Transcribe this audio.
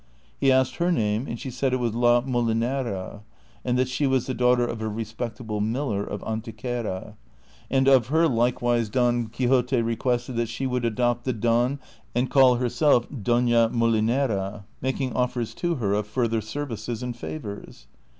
He asked her name, and she said it was La Molinera,^ and that she was the daughter of a respectable miller of Antequera ; and of her like wise Don Quixote requested that she would adopt the " Don " and call herself Dona Molinera, making offers to her of further services and favors.